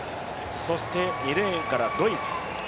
そして２レーンからドイツ。